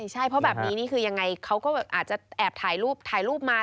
ใช่เพราะแบบนี้นี่คือยังไงเขาก็แอบถ่ายรูปมา